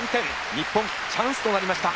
日本チャンスとなりました。